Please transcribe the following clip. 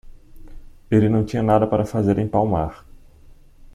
Ele não tinha nada para fazer em Palmar.